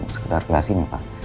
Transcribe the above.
sekitar klas ini pak